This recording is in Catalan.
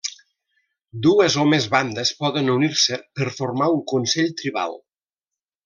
Dues o més bandes poden unir-se per formar un consell tribal.